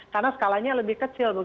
karena skalanya lebih kecil